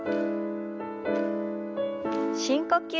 深呼吸。